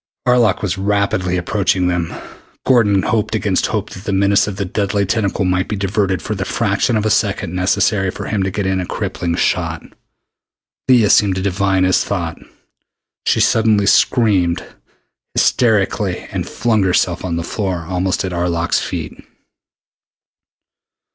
Arlok was rapidly approaching them. Gordon hoped against hope that the menace of that deadly tentacle might be diverted for the fraction of a second necessary for him to get in a crippling shot. Leah seemed to divine his thought. She suddenly screamed hysterically and flung herself on the floor almost at Arlok's feet.